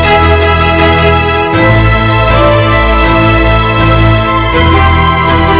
ibu nang akan selamatkan ibu